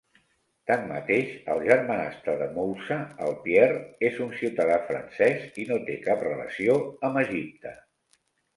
Tanmateix, el germanastre de Moussa, el Pierre, és un ciutadà francès i no té cap relació amb Egipte.